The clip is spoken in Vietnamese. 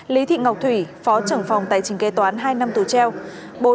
lý thị ngọc thủy phó trưởng phòng tài trình kế toán hai năm tù treo